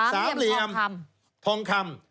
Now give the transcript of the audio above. สาเหกเหลี่ยมทองคำ